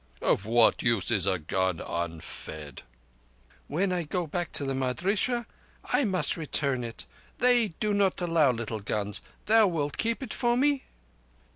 Of what use is a gun unfed?" "When I go back to the madrissah I must return it. They do not allow little guns. Thou wilt keep it for me?"